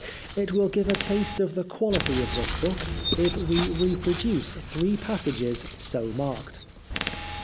It will give a taste of the quality of this book if we reproduce three passages so marked.